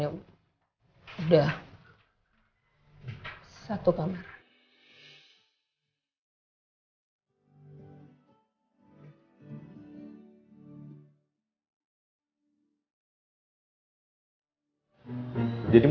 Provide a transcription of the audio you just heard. ya udah membaik